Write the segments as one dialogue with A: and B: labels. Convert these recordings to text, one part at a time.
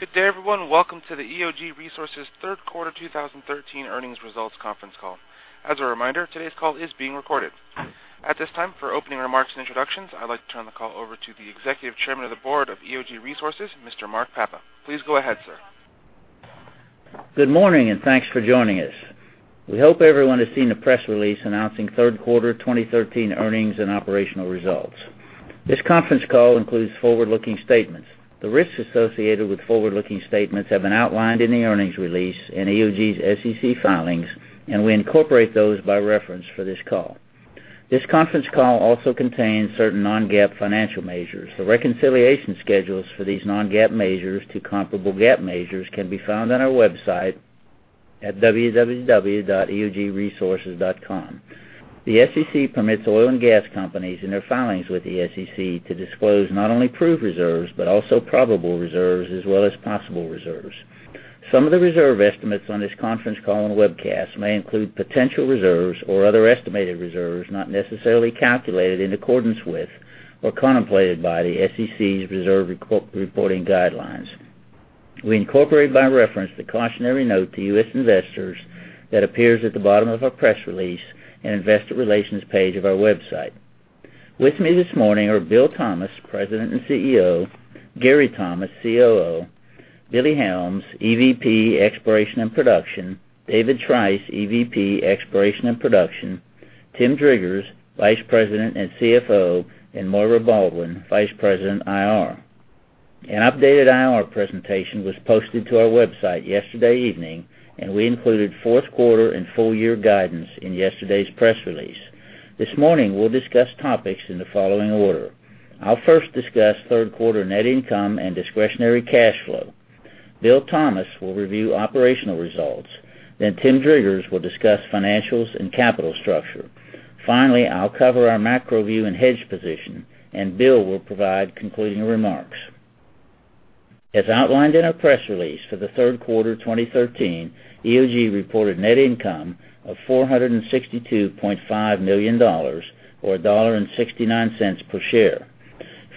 A: Good day, everyone. Welcome to the EOG Resources third quarter 2013 earnings results conference call. As a reminder, today's call is being recorded. At this time, for opening remarks and introductions, I'd like to turn the call over to the Executive Chairman of the Board of EOG Resources, Mr. Mark Papa. Please go ahead, sir.
B: Good morning. Thanks for joining us. We hope everyone has seen the press release announcing third quarter 2013 earnings and operational results. This conference call includes forward-looking statements. The risks associated with forward-looking statements have been outlined in the earnings release in EOG's SEC filings. We incorporate those by reference for this call. This conference call also contains certain non-GAAP financial measures. The reconciliation schedules for these non-GAAP measures to comparable GAAP measures can be found on our website at www.eogresources.com. The SEC permits oil and gas companies in their filings with the SEC to disclose not only proved reserves, but also probable reserves as well as possible reserves. Some of the reserve estimates on this conference call and webcast may include potential reserves or other estimated reserves not necessarily calculated in accordance with or contemplated by the SEC's reserve reporting guidelines. We incorporate by reference the cautionary note to U.S. investors that appears at the bottom of our press release and investor relations page of our website. With me this morning are Bill Thomas, President and CEO, Gary Thomas, COO, Billy Helms, EVP, Exploration and Production, David Trice, EVP, Exploration and Production, Tim Driggers, Vice President and CFO, and Maire Baldwin, Vice President, IR. An updated IR presentation was posted to our website yesterday evening. We included fourth quarter and full year guidance in yesterday's press release. This morning, we'll discuss topics in the following order. I'll first discuss third quarter net income and discretionary cash flow. Bill Thomas will review operational results. Tim Driggers will discuss financials and capital structure. Finally, I'll cover our macro view and hedge position. Bill will provide concluding remarks. As outlined in our press release for the third quarter 2013, EOG reported net income of $462.5 million, or $1.69 per share.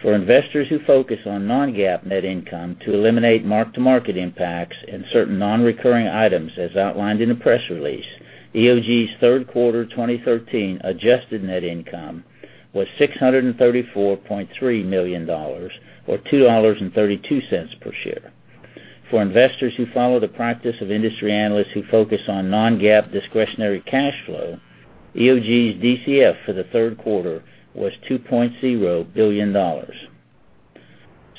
B: For investors who focus on non-GAAP net income to eliminate mark-to-market impacts and certain non-recurring items as outlined in the press release, EOG's third quarter 2013 adjusted net income was $634.3 million, or $2.32 per share. For investors who follow the practice of industry analysts who focus on non-GAAP discretionary cash flow, EOG's DCF for the third quarter was $2.0 billion.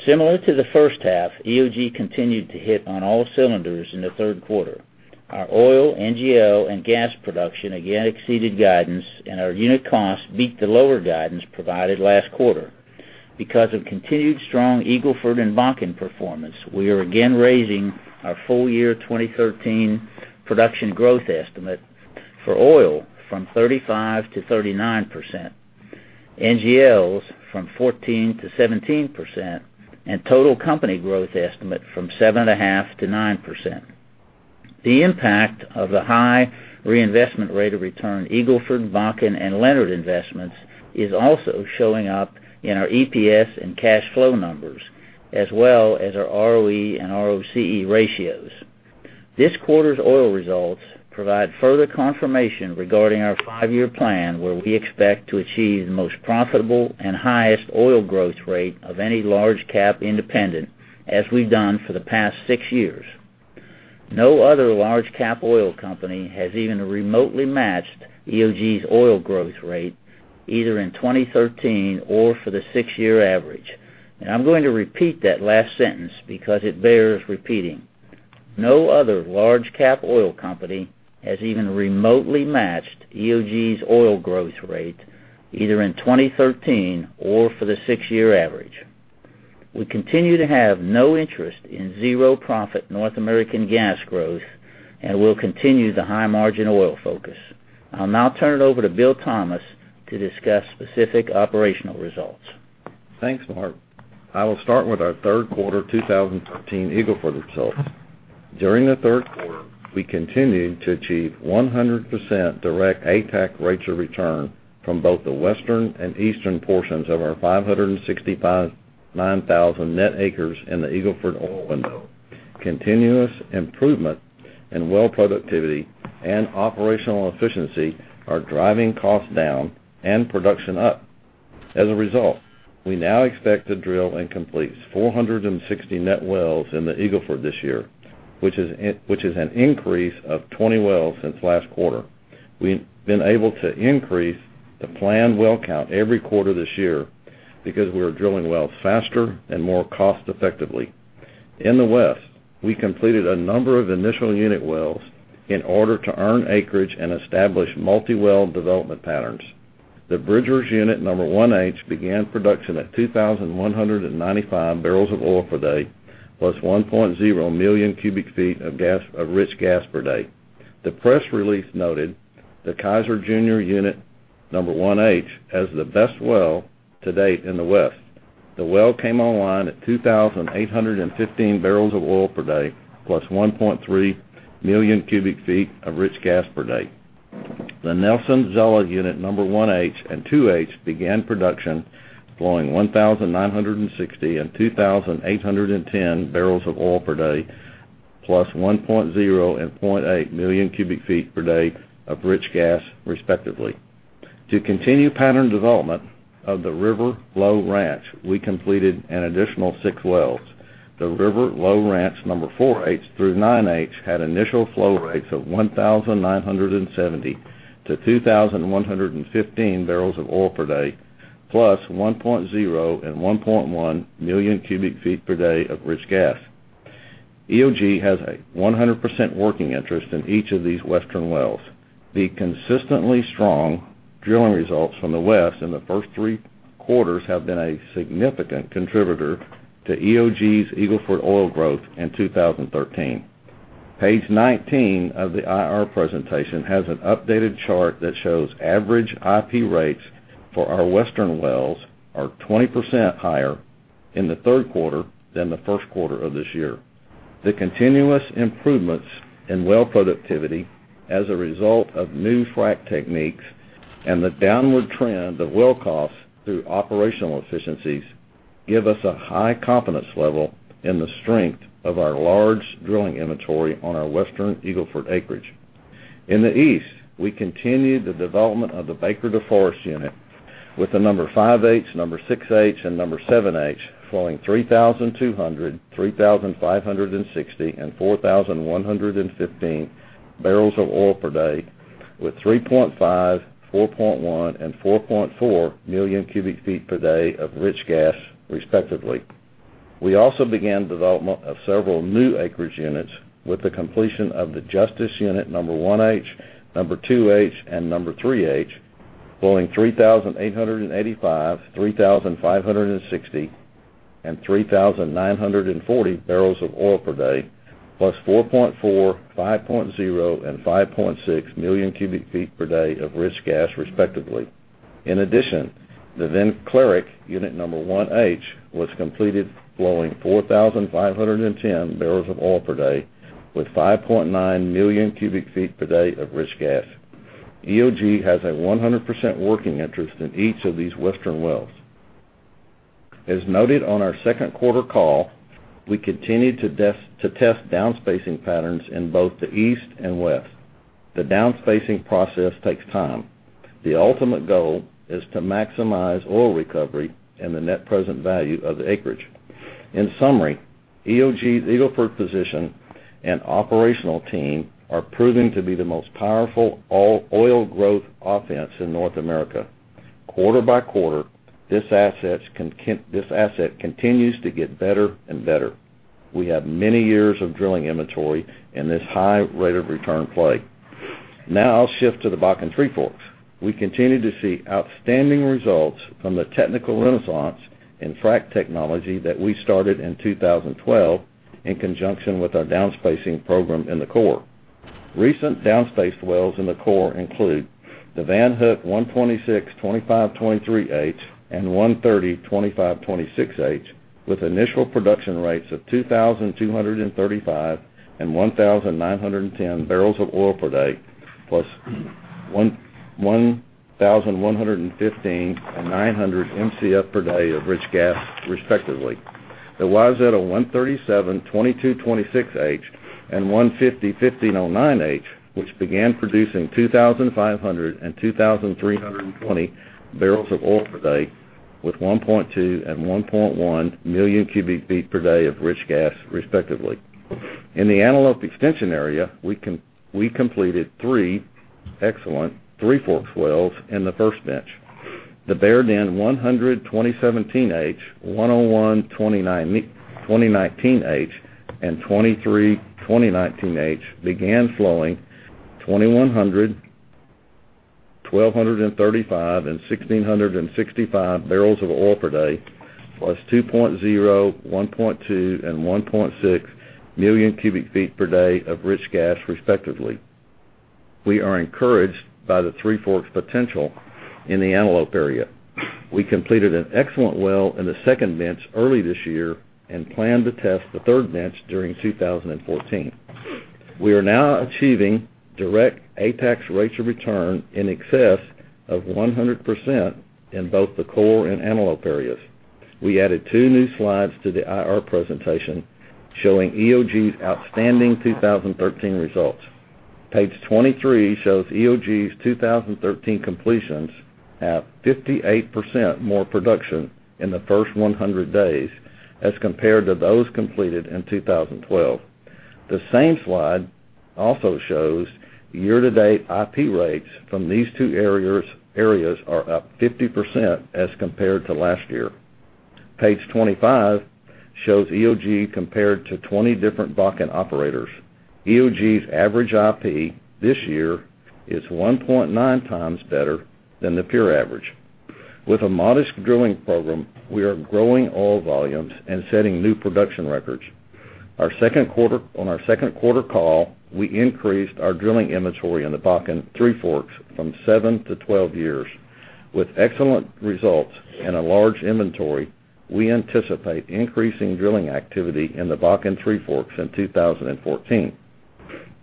B: Similar to the first half, EOG continued to hit on all cylinders in the third quarter. Our oil, NGL, and gas production again exceeded guidance. Our unit costs beat the lower guidance provided last quarter. Because of continued strong Eagle Ford and Bakken performance, we are again raising our full year 2013 production growth estimate for oil from 35%-39%, NGLs from 14%-17%, and total company growth estimate from 7.5%-9%. The impact of the high reinvestment rate of return Eagle Ford, Bakken, and Leonard investments is also showing up in our EPS and cash flow numbers, as well as our ROE and ROCE ratios. This quarter's oil results provide further confirmation regarding our five-year plan, where we expect to achieve the most profitable and highest oil growth rate of any large cap independent, as we've done for the past six years. No other large cap oil company has even remotely matched EOG's oil growth rate, either in 2013 or for the six-year average. I'm going to repeat that last sentence because it bears repeating. No other large cap oil company has even remotely matched EOG's oil growth rate either in 2013 or for the six-year average. We continue to have no interest in zero profit North American gas growth and will continue the high margin oil focus. I'll now turn it over to Bill Thomas to discuss specific operational results.
C: Thanks, Mark. I will start with our third quarter 2013 Eagle Ford results. During the third quarter, we continued to achieve 100% direct after-tax rates of return from both the western and eastern portions of our 569,000 net acres in the Eagle Ford oil window. Continuous improvement in well productivity and operational efficiency are driving costs down and production up. As a result, we now expect to drill and complete 460 net wells in the Eagle Ford this year, which is an increase of 20 wells since last quarter. We've been able to increase the planned well count every quarter this year because we are drilling wells faster and more cost effectively. In the west, we completed a number of initial unit wells in order to earn acreage and establish multi-well development patterns. The Bridgers Unit number 1H began production at 2,195 barrels of oil per day, plus 1.0 million cubic feet of rich gas per day. The press release noted the Kaiser Junior Unit number 1H as the best well to date in the west. The well came online at 2,815 barrels of oil per day, plus 1.3 million cubic feet of rich gas per day. The Nelson Zella Unit number 1H and 2H began production flowing 1,960 and 2,810 barrels of oil per day, plus 1.0 and 0.8 million cubic feet per day of rich gas, respectively. To continue pattern development of the River Lowe Ranch, we completed an additional six wells. The River Lowe Ranch number 4H through 9H had initial flow rates of 1,970-2,115 barrels of oil per day, plus 1.0 and 1.1 million cubic feet per day of rich gas. EOG has a 100% working interest in each of these western wells. The consistently strong drilling results from the west in the first three quarters have been a significant contributor to EOG's Eagle Ford oil growth in 2013. Page 19 of the IR presentation has an updated chart that shows average IP rates for our western wells are 20% higher in the third quarter than the first quarter of this year. The continuous improvements in well productivity as a result of new frac techniques and the downward trend of well costs through operational efficiencies give us a high confidence level in the strength of our large drilling inventory on our western Eagle Ford acreage. In the east, we continued the development of the Baker-Deforest Unit with the number 5H, number 6H and number 7H flowing 3,200, 3,560 and 4,115 barrels of oil per day with 3.5, 4.1 and 4.4 million cubic feet per day of rich gas, respectively. We also began development of several new acreage units with the completion of the Justiss Unit number 1H, number 2H, and number 3H, flowing 3,885, 3,560, and 3,940 barrels of oil per day, plus 4.4, 5.0, and 5.6 million cubic feet per day of rich gas, respectively. In addition, the Vinklarek Unit number 1H was completed flowing 4,510 barrels of oil per day, with 5.9 million cubic feet per day of rich gas. EOG has a 100% working interest in each of these western wells. As noted on our second quarter call, we continued to test down-spacing patterns in both the east and west. The down-spacing process takes time. The ultimate goal is to maximize oil recovery and the net present value of the acreage. In summary, EOG's Eagle Ford position and operational team are proving to be the most powerful oil growth offense in North America. Quarter by quarter, this asset continues to get better and better. We have many years of drilling inventory and this high rate of return play. I'll shift to the Bakken Three Forks. We continue to see outstanding results from the technical renaissance in frac technology that we started in 2012, in conjunction with our down-spacing program in the core. Recent down-spaced wells in the core include the Van Hook 1262523H and 1302526H with initial production rates of 2,235 and 1,910 barrels of oil per day, plus 1,115 and 900 MCF per day of rich gas, respectively. The Wayzata 1372226H and 1501509H, which began producing 2,500 and 2,320 barrels of oil per day with 1.2 and 1.1 million cubic feet per day of rich gas, respectively. In the Antelope extension area, we completed three excellent Three Forks wells in the first bench. The Bear Den 1002017H, 1012019H, and 232019H began flowing 2,100, 1,235, and 1,665 barrels of oil per day, plus 2.0, 1.2, and 1.6 million cubic feet per day of rich gas, respectively. We are encouraged by the Three Forks potential in the Antelope area. We completed an excellent well in the second bench early this year and plan to test the third bench during 2014. We are now achieving direct after-tax rates of return in excess of 100% in both the core and Antelope areas. We added two new slides to the IR presentation showing EOG's outstanding 2013 results. Page 23 shows EOG's 2013 completions at 58% more production in the first 100 days as compared to those completed in 2012. The same slide also shows year-to-date IP rates from these two areas are up 50% as compared to last year. Page 25 shows EOG compared to 20 different Bakken operators. EOG's average IP this year is 1.9 times better than the peer average. With a modest drilling program, we are growing oil volumes and setting new production records. On our second quarter call, we increased our drilling inventory in the Bakken Three Forks from seven to 12 years. With excellent results and a large inventory, we anticipate increasing drilling activity in the Bakken Three Forks in 2014.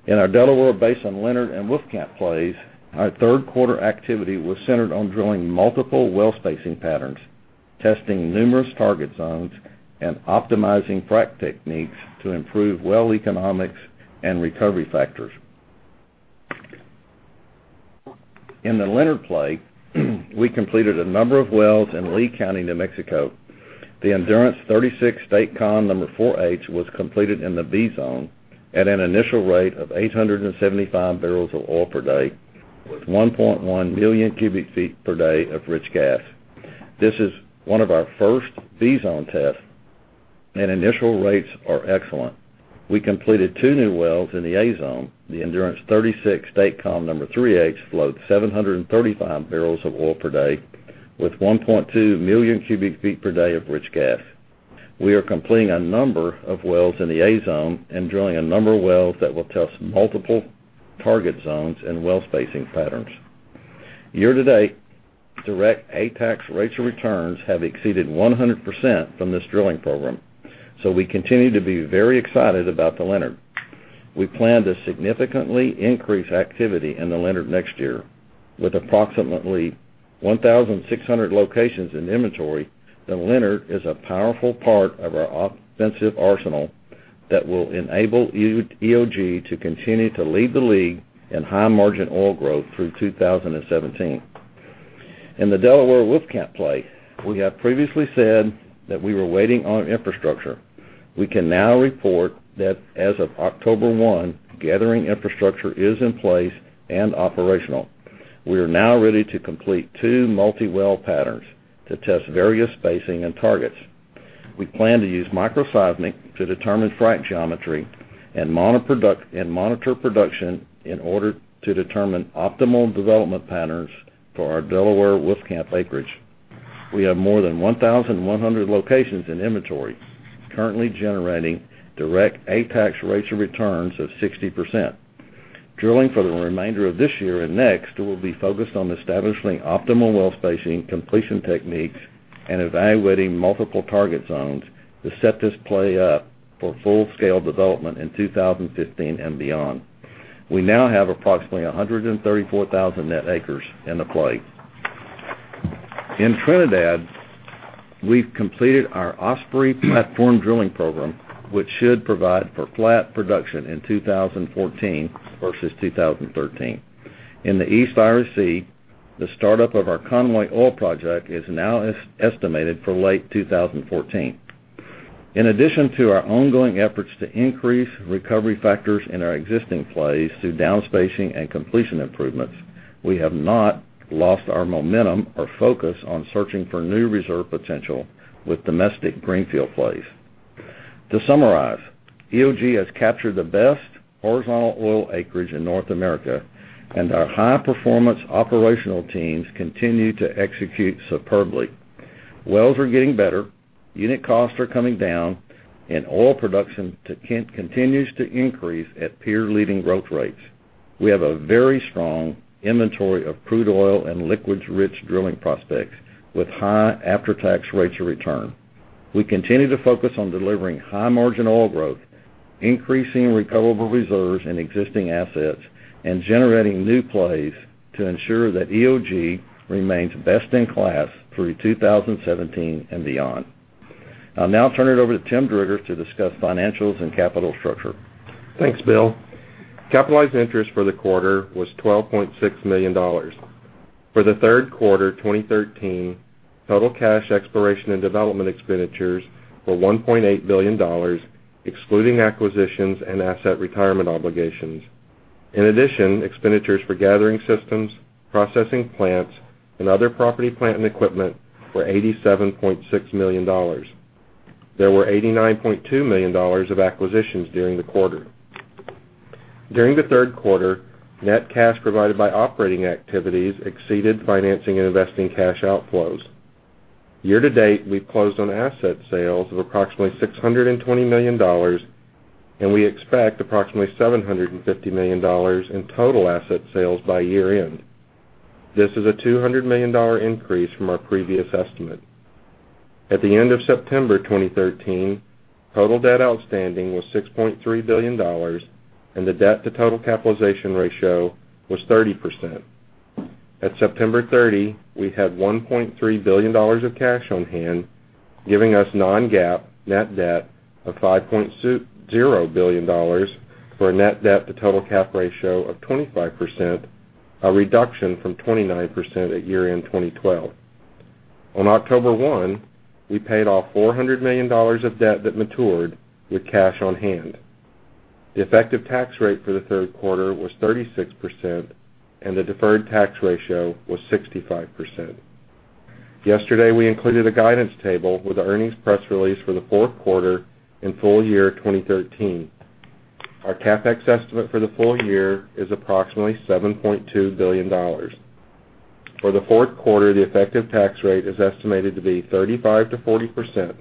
C: In our Delaware Basin, Leonard and Wolfcamp plays, our third quarter activity was centered on drilling multiple well spacing patterns, testing numerous target zones, and optimizing frac techniques to improve well economics and recovery factors. In the Leonard play, we completed a number of wells in Lea County, New Mexico. The Endurance 36 State Com number 4 H was completed in the B zone at an initial rate of 875 barrels of oil per day, with 1.1 million cubic feet per day of rich gas. This is one of our first B zone tests, and initial rates are excellent. We completed two new wells in the A zone. The Endurance 36 State Com number 3 H flowed 735 barrels of oil per day with 1.2 million cubic feet per day of rich gas. We are completing a number of wells in the A zone and drilling a number of wells that will test multiple target zones and well spacing patterns. Year to date, direct after-tax rates of return have exceeded 100% from this drilling program. We continue to be very excited about the Leonard. We plan to significantly increase activity in the Leonard next year. With approximately 1,600 locations in inventory, the Leonard is a powerful part of our offensive arsenal that will enable EOG to continue to lead the league in high-margin oil growth through 2017. In the Delaware Wolfcamp play, we have previously said that we were waiting on infrastructure. We can now report that as of October 1, gathering infrastructure is in place and operational. We are now ready to complete two multi-well patterns to test various spacing and targets. We plan to use microseismic to determine frac geometry and monitor production in order to determine optimal development patterns for our Delaware Wolfcamp acreage. We have more than 1,100 locations in inventory, currently generating direct after-tax rates of return of 60%. Drilling for the remainder of this year and next will be focused on establishing optimal well spacing, completion techniques, and evaluating multiple target zones to set this play up for full-scale development in 2015 and beyond. We now have approximately 134,000 net acres in the play. In Trinidad, we've completed our Osprey platform drilling program, which should provide for flat production in 2014 versus 2013. In the East Irish Sea, the startup of our Conwy oil project is now estimated for late 2014. In addition to our ongoing efforts to increase recovery factors in our existing plays through down-spacing and completion improvements, we have not lost our momentum or focus on searching for new reserve potential with domestic greenfield plays. To summarize, EOG has captured the best horizontal oil acreage in North America. Our high-performance operational teams continue to execute superbly. Wells are getting better, unit costs are coming down. Oil production continues to increase at peer-leading growth rates. We have a very strong inventory of crude oil and liquids-rich drilling prospects with high after-tax rates of return. We continue to focus on delivering high-margin oil growth, increasing recoverable reserves in existing assets, and generating new plays to ensure that EOG remains best in class through 2017 and beyond. I'll now turn it over to Tim Driggers to discuss financials and capital structure.
D: Thanks, Bill. Capitalized interest for the quarter was $12.6 million. For the third quarter 2013, total cash exploration and development expenditures were $1.8 billion, excluding acquisitions and asset retirement obligations. In addition, expenditures for gathering systems, processing plants, and other property, plant, and equipment were $87.6 million. There were $89.2 million of acquisitions during the quarter. During the third quarter, net cash provided by operating activities exceeded financing and investing cash outflows. Year to date, we've closed on asset sales of approximately $620 million. We expect approximately $750 million in total asset sales by year-end. This is a $200 million increase from our previous estimate. At the end of September 2013, total debt outstanding was $6.3 billion. The debt-to-total capitalization ratio was 30%. At September 30, we had $1.3 billion of cash on hand, giving us non-GAAP net debt of $5.2 billion, for a net debt to total cap ratio of 25%, a reduction from 29% at year-end 2012. On October one, we paid off $400 million of debt that matured with cash on hand. The effective tax rate for the third quarter was 36%. The deferred tax ratio was 65%. Yesterday, we included a guidance table with the earnings press release for the fourth quarter and full year 2013. Our CapEx estimate for the full year is approximately $7.2 billion. For the fourth quarter, the effective tax rate is estimated to be 35%-40%.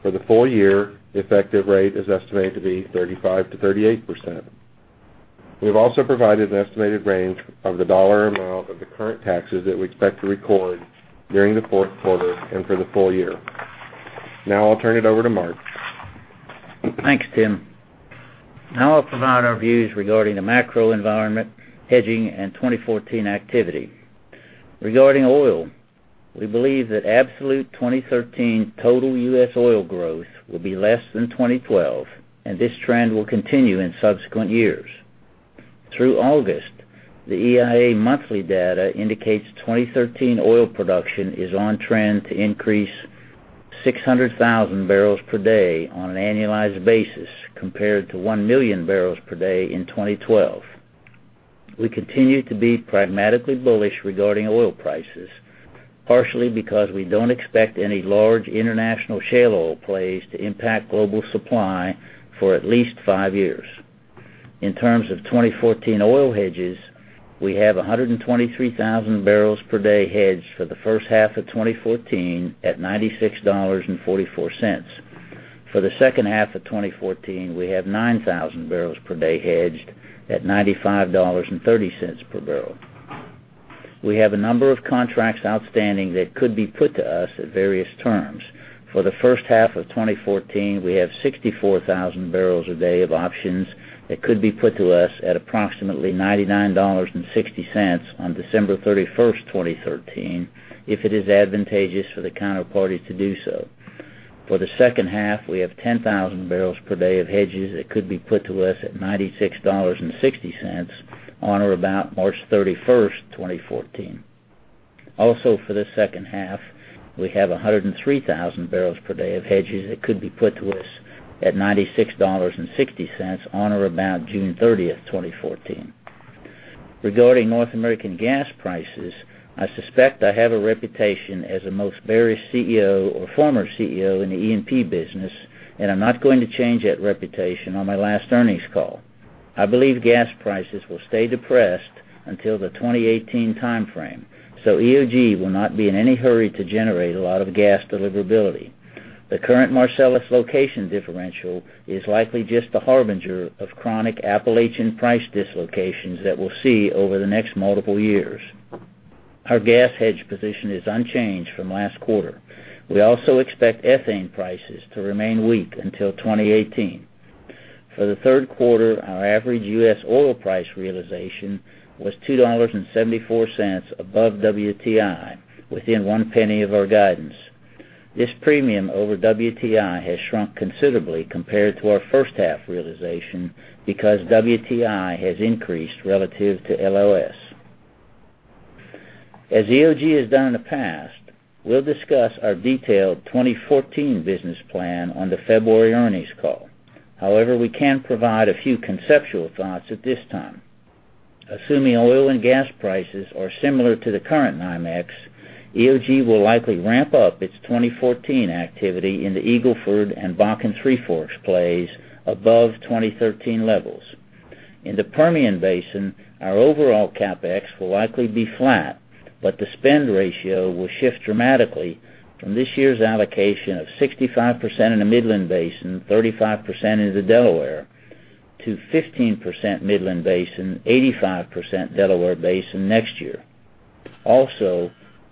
D: For the full year, the effective rate is estimated to be 35%-38%. We've also provided an estimated range of the dollar amount of the current taxes that we expect to record during the fourth quarter and for the full year. I'll turn it over to Mark.
B: Thanks, Tim. I'll provide our views regarding the macro environment, hedging, and 2014 activity. Regarding oil, we believe that absolute 2013 total U.S. oil growth will be less than 2012, and this trend will continue in subsequent years. Through August, the EIA monthly data indicates 2013 oil production is on trend to increase 600,000 barrels per day on an annualized basis compared to 1 million barrels per day in 2012. We continue to be pragmatically bullish regarding oil prices, partially because we don't expect any large international shale oil plays to impact global supply for at least five years. In terms of 2014 oil hedges, we have 123,000 barrels per day hedged for the first half of 2014 at $96.44. For the second half of 2014, we have 9,000 barrels per day hedged at $95.30 per barrel. We have a number of contracts outstanding that could be put to us at various terms. For the first half of 2014, we have 64,000 barrels per day of options that could be put to us at approximately $99.60 on December 31st, 2013, if it is advantageous for the counterparty to do so. For the second half, we have 10,000 barrels per day of hedges that could be put to us at $96.60 on or about March 31st, 2014. For the second half, we have 103,000 barrels per day of hedges that could be put to us at $96.60 on or about June 30th, 2014. Regarding North American gas prices, I suspect I have a reputation as the most bearish CEO or former CEO in the E&P business. I'm not going to change that reputation on my last earnings call. I believe gas prices will stay depressed until the 2018 timeframe. EOG will not be in any hurry to generate a lot of gas deliverability. The current Marcellus location differential is likely just the harbinger of chronic Appalachian price dislocations that we'll see over the next multiple years. Our gas hedge position is unchanged from last quarter. We also expect ethane prices to remain weak until 2018. For the third quarter, our average U.S. oil price realization was $2.74 above WTI, within $0.01 of our guidance. This premium over WTI has shrunk considerably compared to our first-half realization because WTI has increased relative to LLS. As EOG has done in the past, we'll discuss our detailed 2014 business plan on the February earnings call. We can provide a few conceptual thoughts at this time. Assuming oil and gas prices are similar to the current NYMEX, EOG will likely ramp up its 2014 activity in the Eagle Ford and Bakken Three Forks plays above 2013 levels. In the Permian Basin, our overall CapEx will likely be flat, but the spend ratio will shift dramatically from this year's allocation of 65% in the Midland Basin, 35% into Delaware, to 15% Midland Basin, 85% Delaware Basin next year.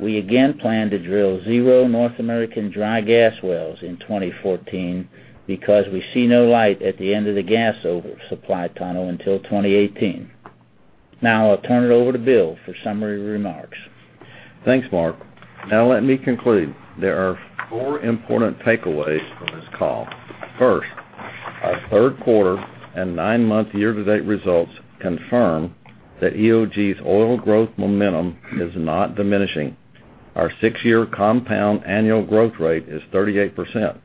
B: We again plan to drill zero North American dry gas wells in 2014 because we see no light at the end of the gas oversupply tunnel until 2018. Now I'll turn it over to Bill for summary remarks.
C: Thanks, Mark. Let me conclude. There are four important takeaways from this call. First, our third quarter and nine-month year-to-date results confirm that EOG's oil growth momentum is not diminishing. Our six-year compound annual growth rate is 38%,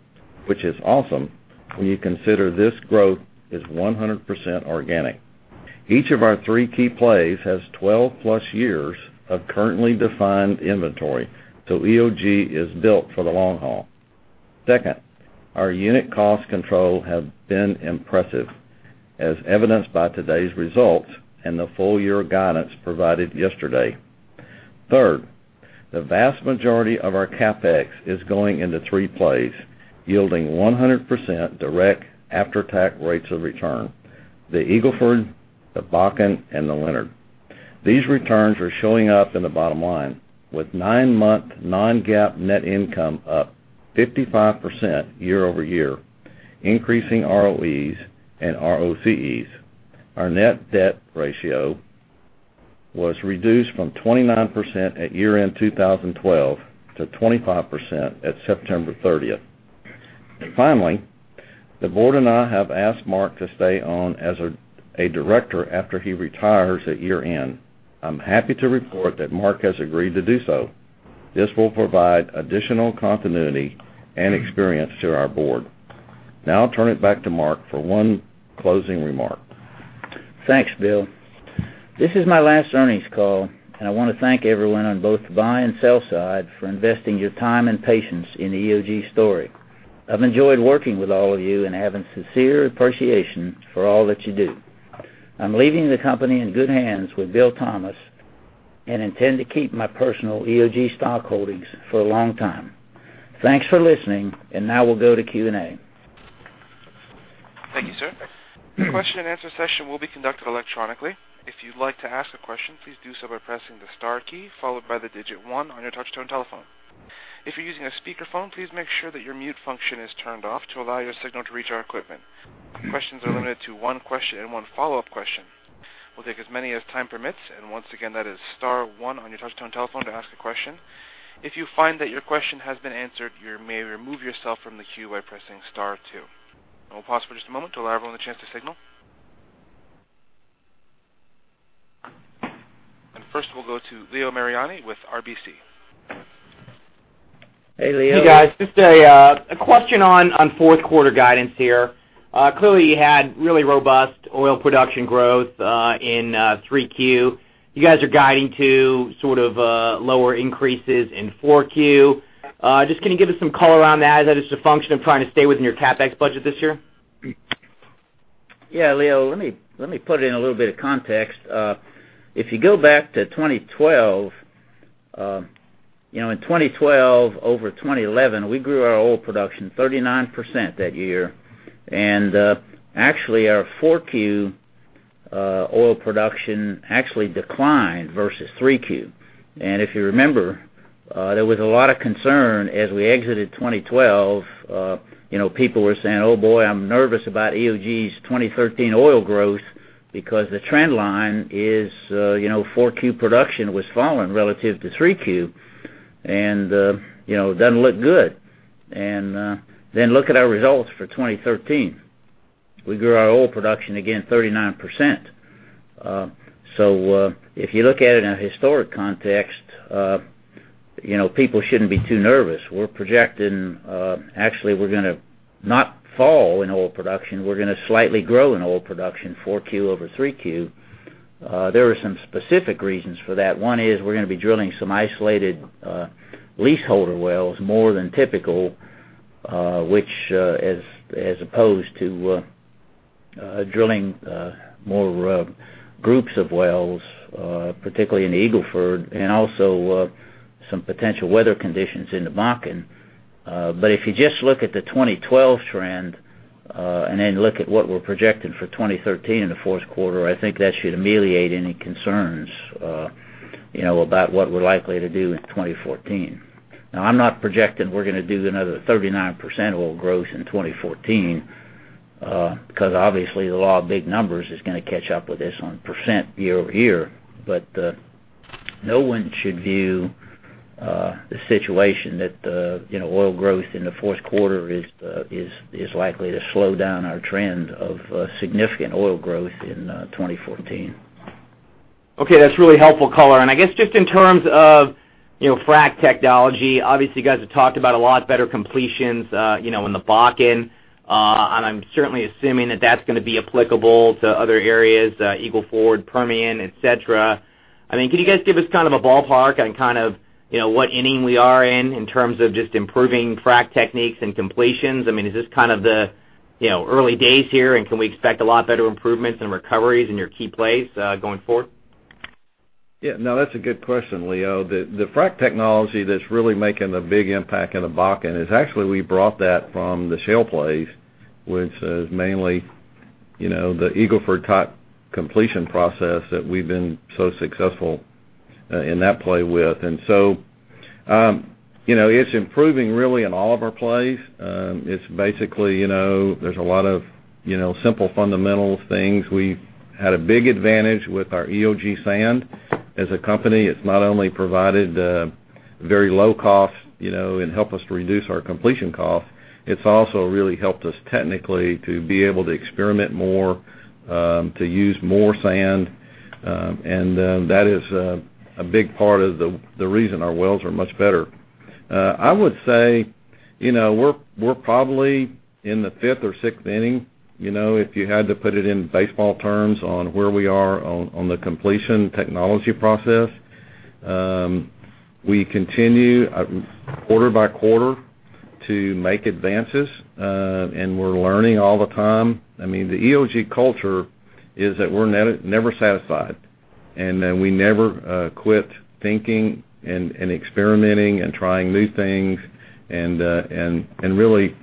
C: which is awesome when you consider this growth is 100% organic. Each of our three key plays has 12-plus years of currently defined inventory, so EOG is built for the long haul. Second, our unit cost control have been impressive, as evidenced by today's results and the full year guidance provided yesterday. Third, the vast majority of our CapEx is going into three plays, yielding 100% direct after-tax rates of return: the Eagle Ford, the Bakken, and the Leonard. These returns are showing up in the bottom line with nine-month non-GAAP net income up 55% year-over-year, increasing ROE and ROCE. Our net debt ratio was reduced from 29% at year-end 2012 to 25% at September 30th. Finally, the board and I have asked Mark to stay on as a director after he retires at year-end. I'm happy to report that Mark has agreed to do so. This will provide additional continuity and experience to our board. I'll turn it back to Mark for one closing remark.
B: Thanks, Bill. This is my last earnings call, and I want to thank everyone on both the buy and sell side for investing your time and patience in the EOG story. I've enjoyed working with all of you and have a sincere appreciation for all that you do. I'm leaving the company in good hands with Bill Thomas. I intend to keep my personal EOG stock holdings for a long time. Thanks for listening. We'll go to Q&A.
A: Thank you, sir. The question and answer session will be conducted electronically. If you'd like to ask a question, please do so by pressing the star key followed by the digit 1 on your touch-tone telephone. If you're using a speakerphone, please make sure that your mute function is turned off to allow your signal to reach our equipment. Questions are limited to one question and one follow-up question. We'll take as many as time permits, once again, that is star one on your touch-tone telephone to ask a question. If you find that your question has been answered, you may remove yourself from the queue by pressing star two. We'll pause for just a moment to allow everyone the chance to signal. First, we'll go to Leo Mariani with RBC.
B: Hey, Leo.
E: Hey, guys. Just a question on fourth quarter guidance here. Clearly, you had really robust oil production growth in Q3. You guys are guiding to sort of lower increases in Q4. Just can you give us some color around that? Is that just a function of trying to stay within your CapEx budget this year?
B: Yeah, Leo, let me put it in a little bit of context. If you go back to 2012, in 2012 over 2011, we grew our oil production 39% that year. Actually, our Q4 oil production actually declined versus Q3. If you remember, there was a lot of concern as we exited 2012. People were saying, "Oh boy, I'm nervous about EOG's 2013 oil growth because the trend line is Q4 production was falling relative to Q3, it doesn't look good." Look at our results for 2013. We grew our oil production again 39%. If you look at it in a historic context, people shouldn't be too nervous. We're projecting, actually, we're going to not fall in oil production. We're going to slightly grow in oil production Q4 over Q3. There are some specific reasons for that. One is we're going to be drilling some isolated leaseholder wells more than typical, which as opposed to drilling more groups of wells, particularly in the Eagle Ford, and also some potential weather conditions in the Bakken. If you just look at the 2012 trend, then look at what we're projecting for 2013 in the fourth quarter, I think that should ameliorate any concerns about what we're likely to do in 2014. I'm not projecting we're going to do another 39% oil growth in 2014, because obviously, the law of big numbers is going to catch up with us on percent year-over-year. No one should view the situation that oil growth in the fourth quarter is likely to slow down our trend of significant oil growth in 2014.
E: Okay. That's really helpful color. I guess just in terms of frac technology, obviously, you guys have talked about a lot better completions in the Bakken. I'm certainly assuming that that's going to be applicable to other areas, the Eagle Ford, Permian, et cetera. Can you guys give us a ballpark on what inning we are in terms of just improving frac techniques and completions? Is this the early days here, and can we expect a lot better improvements and recoveries in your key plays going forward?
C: Yeah. No, that's a good question, Leo. The frac technology that's really making a big impact in the Bakken is actually we brought that from the shale plays, which is mainly the Eagle Ford type completion process that we've been so successful in that play with. It's improving really in all of our plays. It's basically there's a lot of simple fundamental things. We've had a big advantage with our EOG sand. As a company, it's not only provided very low cost, and help us to reduce our completion cost, it's also really helped us technically to be able to experiment more, to use more sand, and that is a big part of the reason our wells are much better. I would say we're probably in the fifth or sixth inning, if you had to put it in baseball terms on where we are on the completion technology process. We continue quarter-by-quarter to make advances, and we're learning all the time. The EOG culture is that we're never satisfied, and that we never quit thinking and experimenting and trying new things and really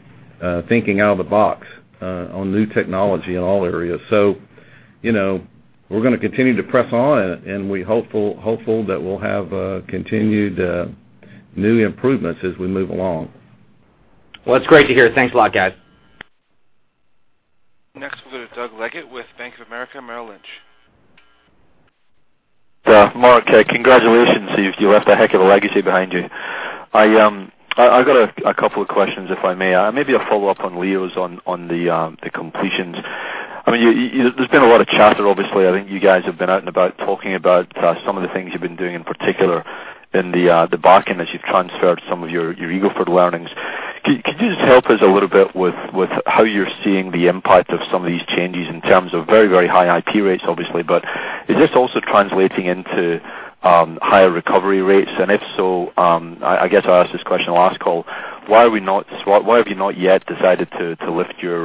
C: thinking out of the box on new technology in all areas. We're going to continue to press on, and we're hopeful that we'll have continued new improvements as we move along.
E: That's great to hear. Thanks a lot, guys.
A: We'll go to Doug Leggate with Bank of America Merrill Lynch.
F: Doug, Mark, congratulations. You left a heck of a legacy behind you. I got a couple of questions, if I may. Maybe a follow-up on Leo's on the completions. There's been a lot of chatter, obviously. I think you guys have been out and about talking about some of the things you've been doing, in particular in the Bakken, as you've transferred some of your Eagle Ford learnings. Could you just help us a little bit with how you're seeing the impact of some of these changes in terms of very, very high IP rates, obviously, but is this also translating into higher recovery rates? If so, I guess I'll ask this question the last call, why have you not yet decided to lift your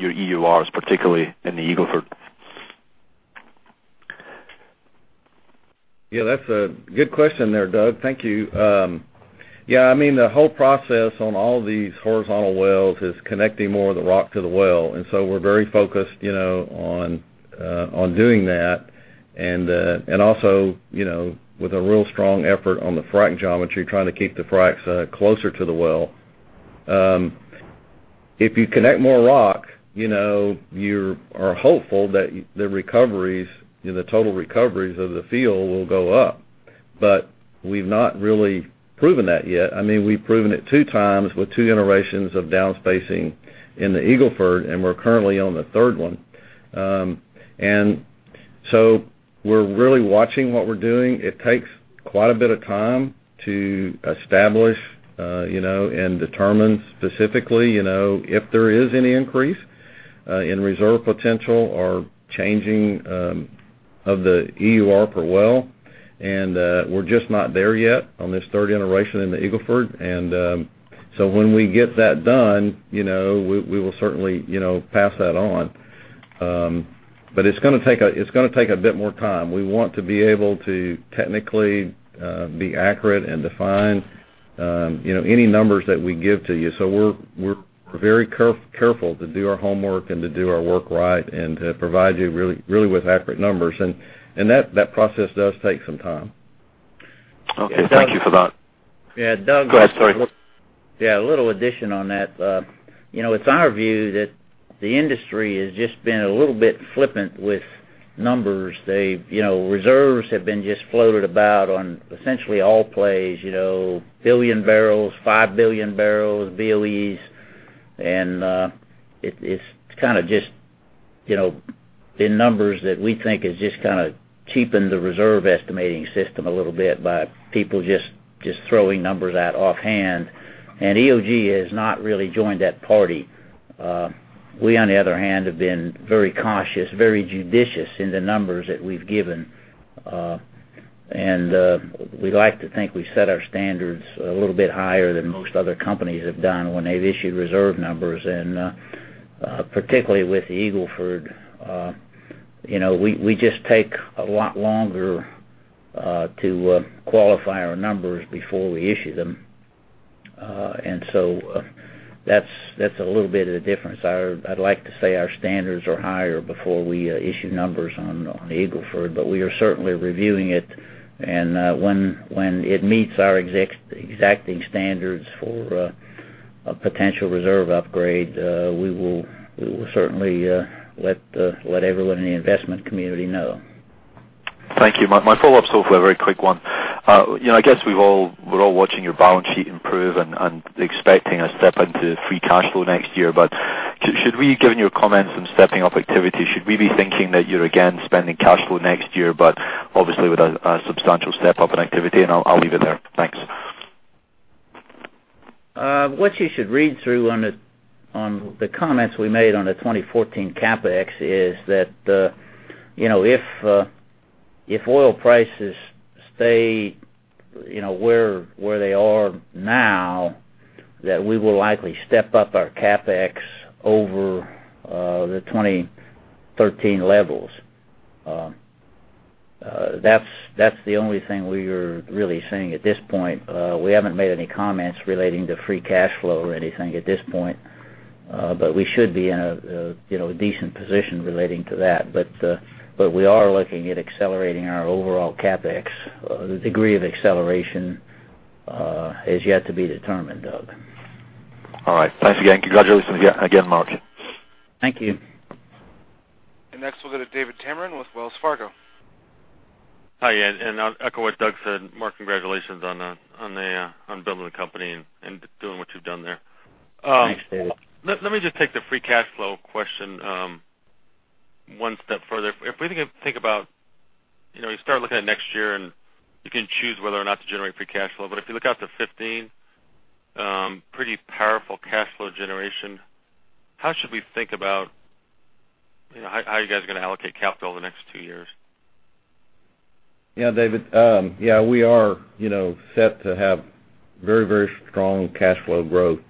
F: EURs, particularly in the Eagle Ford?
C: That's a good question there, Doug. Thank you. The whole process on all these horizontal wells is connecting more of the rock to the well, we're very focused on doing that. Also, with a real strong effort on the frac geometry, trying to keep the fracs closer to the well. If you connect more rock, you are hopeful that the total recoveries of the field will go up, but we've not really proven that yet. We've proven it two times with two generations of down-spacing in the Eagle Ford, and we're currently on the third one. So we're really watching what we're doing. It takes quite a bit of time to establish and determine specifically if there is any increase in reserve potential or changing of the EUR per well. We're just not there yet on this third generation in the Eagle Ford. When we get that done, we will certainly pass that on. It's going to take a bit more time. We want to be able to technically be accurate and define any numbers that we give to you. We're very careful to do our homework and to do our work right and to provide you really with accurate numbers. That process does take some time.
F: Okay. Thank you for that.
B: Yeah, Doug.
F: Go ahead, sorry.
B: Yeah, a little addition on that. It's our view that the industry has just been a little bit flippant with numbers. Reserves have been just floated about on essentially all plays, billion barrels, 5 billion barrels, BOEs, and it's just been numbers that we think has just cheapened the reserve estimating system a little bit by people just throwing numbers out offhand. EOG has not really joined that party. We, on the other hand, have been very cautious, very judicious in the numbers that we've given. We like to think we set our standards a little bit higher than most other companies have done when they've issued reserve numbers. Particularly with the Eagle Ford, we just take a lot longer to qualify our numbers before we issue them. That's a little bit of the difference. I'd like to say our standards are higher before we issue numbers on the Eagle Ford, but we are certainly reviewing it. When it meets our exacting standards for a potential reserve upgrade, we will certainly let everyone in the investment community know.
F: Thank you. My follow-up, for a very quick one. I guess we're all watching your balance sheet improve and expecting a step into free cash flow next year. Should we, given your comments on stepping up activity, should we be thinking that you're again spending cash flow next year, but obviously with a substantial step-up in activity? I'll leave it there. Thanks.
B: What you should read through on the comments we made on the 2014 CapEx is that if oil prices stay where they are now, that we will likely step up our CapEx over the 2013 levels. That's the only thing we are really saying at this point. We haven't made any comments relating to free cash flow or anything at this point, but we should be in a decent position relating to that. We are looking at accelerating our overall CapEx. The degree of acceleration is yet to be determined, Doug.
F: All right. Thanks again. Congratulations again, Mark.
B: Thank you.
A: Next we'll go to David Tameron with Wells Fargo.
G: Hi, I'll echo what Doug said. Mark, congratulations on building the company and doing what you've done there.
C: Thanks, David.
G: Let me just take the free cash flow question one step further. If we think about, you start looking at next year, and you can choose whether or not to generate free cash flow. If you look out to 2015, pretty powerful cash flow generation. How should we think about how you guys are going to allocate capital over the next two years?
C: Yeah, David. Yeah, we are set to have very strong cash flow growth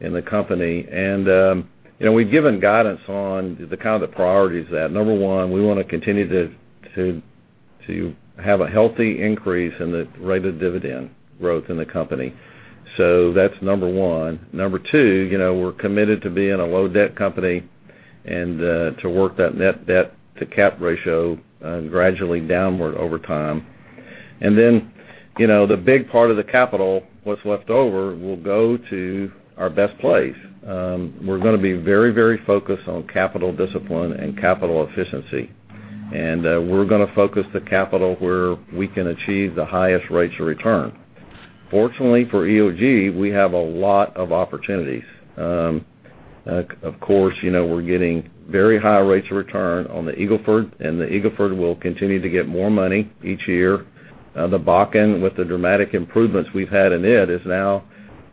C: in the company. We've given guidance on the kind of the priorities that, number one, we want to continue to have a healthy increase in the rate of dividend growth in the company. That's number one. Number two, we're committed to being a low-debt company and to work that net debt to cap ratio gradually downward over time. The big part of the capital, what's left over, will go to our best plays. We're going to be very focused on capital discipline and capital efficiency. We're going to focus the capital where we can achieve the highest rates of return. Fortunately for EOG, we have a lot of opportunities. Of course, we're getting very high rates of return on the Eagle Ford, and the Eagle Ford will continue to get more money each year. The Bakken, with the dramatic improvements we've had in it, is now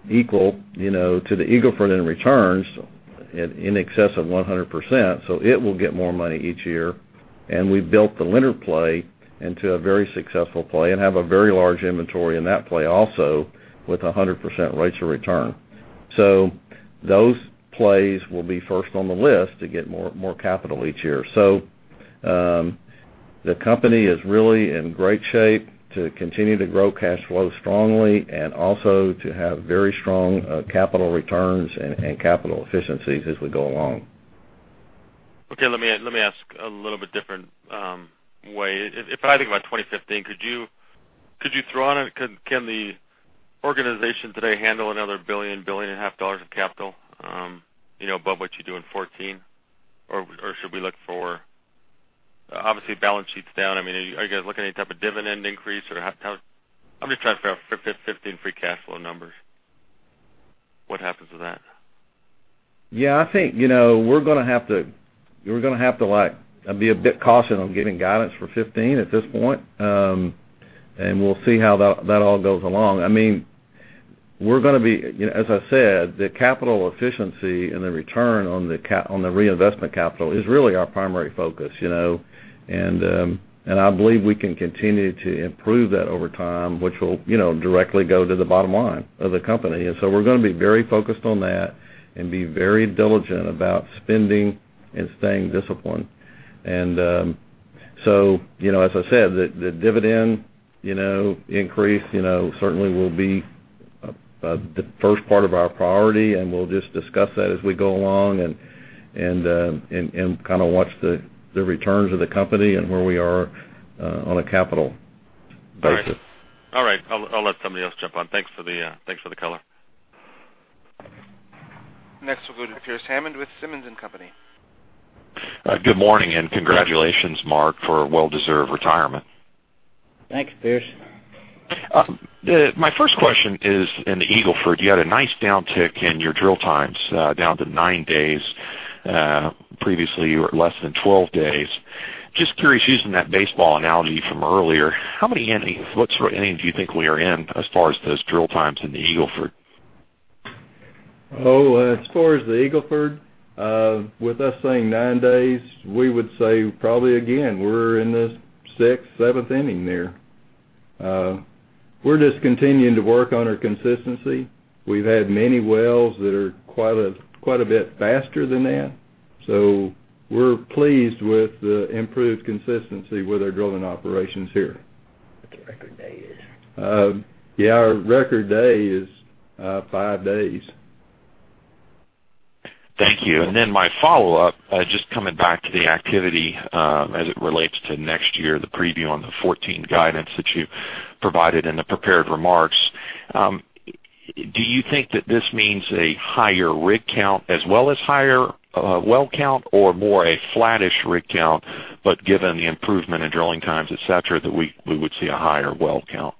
C: equal to the Eagle Ford in returns in excess of 100%, so it will get more money each year. We've built the Leonard play into a very successful play and have a very large inventory in that play also with 100% rates of return. those plays will be first on the list to get more capital each year. The company is really in great shape to continue to grow cash flow strongly and also to have very strong capital returns and capital efficiencies as we go along.
G: Okay. Let me ask a little bit different way. If I think about 2015, could you throw out, can the organization today handle another $1 billion, $1.5 billion of capital, above what you do in 2014? Should we look for, obviously, balance sheet's down. Are you guys looking at any type of dividend increase? I'm just trying to figure out for 2015 free cash flow numbers. What happens with that?
C: Yeah, I think, we're going to have to be a bit cautious on giving guidance for 2015 at this point. We'll see how that all goes along. As I said, the capital efficiency and the return on the reinvestment capital is really our primary focus. I believe we can continue to improve that over time, which will directly go to the bottom line of the company. We're going to be very focused on that and be very diligent about spending and staying disciplined. As I said, the dividend increase certainly will be the first part of our priority, and we'll just discuss that as we go along and kind of watch the returns of the company and where we are on a capital basis.
G: All right. I'll let somebody else jump on. Thanks for the color.
A: Next we'll go to Pearce Hammond with Simmons & Company.
H: Good morning, congratulations, Mark, for a well-deserved retirement.
B: Thanks, Pearce.
H: My first question is in the Eagle Ford. You had a nice downtick in your drill times, down to nine days. Previously, you were at less than 12 days. Just curious, using that baseball analogy from earlier, how many innings, what sort of innings do you think we are in as far as those drill times in the Eagle Ford?
C: As far as the Eagle Ford, with us saying nine days, we would say probably again, we're in the sixth, seventh inning there. We're just continuing to work on our consistency. We've had many wells that are quite a bit faster than that. We're pleased with the improved consistency with our drilling operations here.
B: What the record day is?
C: Yeah, our record day is five days.
H: Thank you. Then my follow-up, just coming back to the activity, as it relates to next year, the preview on the 2014 guidance that you provided in the prepared remarks. Do you think that this means a higher rig count as well as higher well count or more a flattish rig count, but given the improvement in drilling times, et cetera, that we would see a higher well count?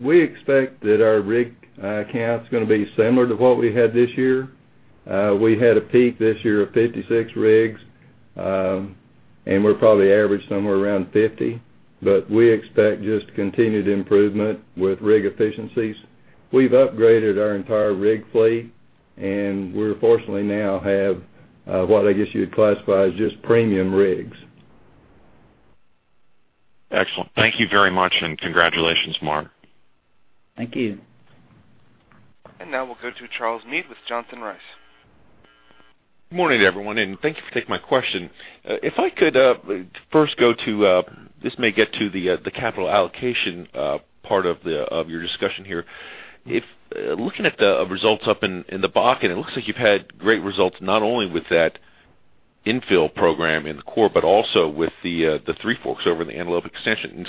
C: We expect that our rig count's going to be similar to what we had this year. We had a peak this year of 56 rigs. We're probably average somewhere around 50. We expect just continued improvement with rig efficiencies. We've upgraded our entire rig fleet, and we fortunately now have, what I guess you'd classify as just premium rigs.
H: Excellent. Thank you very much, and congratulations, Mark.
B: Thank you.
A: Now we'll go to Charles Meade with Johnson Rice.
I: Good morning, everyone, and thank you for taking my question. This may get to the capital allocation part of your discussion here. Looking at the results up in the Bakken, it looks like you've had great results, not only with that infill program in the core, but also with the Three Forks over in the Antelope extension.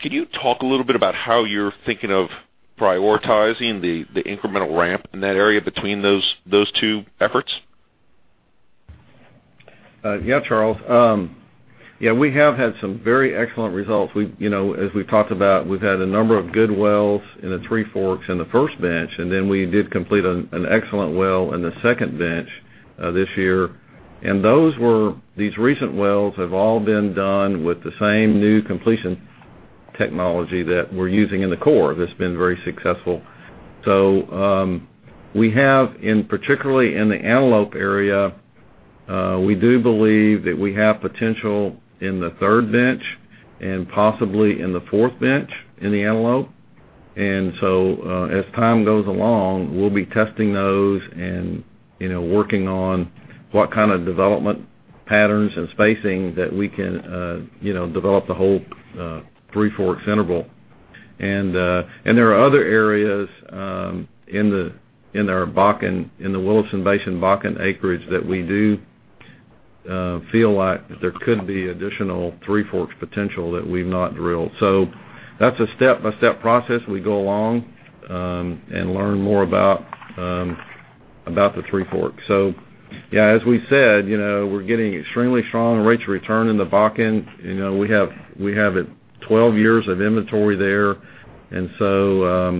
I: Can you talk a little bit about how you're thinking of prioritizing the incremental ramp in that area between those two efforts?
C: Yeah, Charles. We have had some very excellent results. As we've talked about, we've had a number of good wells in the Three Forks in the first bench, and then we did complete an excellent well in the second bench this year. These recent wells have all been done with the same new completion technology that we're using in the core that's been very successful. We have, particularly in the Antelope area, we do believe that we have potential in the third bench and possibly in the fourth bench in the Antelope. As time goes along, we'll be testing those and working on what kind of development patterns and spacing that we can develop the whole Three Forks interval. There are other areas in the Williston Basin Bakken acreage that we do feel like there could be additional Three Forks potential that we've not drilled. That's a step-by-step process as we go along and learn more about the Three Forks. As we said, we're getting extremely strong rates of return in the Bakken. We have 12 years of inventory there, and so,